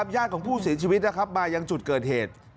ญาติของผู้เสียชีวิตมายังจุดเกิดเหตุ